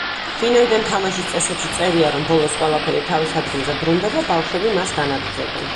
ვინაიდან თამაშის წესებში წერია, რომ ბოლოს ყველაფერი თავის ადგილზე ბრუნდება, ბავშვები მას განაგრძობენ.